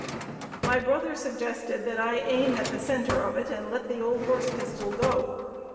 My brother suggested that I aim at the center of it and let the old horse pistol go.